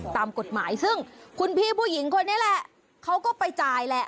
ตามกฎหมายซึ่งคุณพี่ผู้หญิงคนนี้แหละเขาก็ไปจ่ายแหละ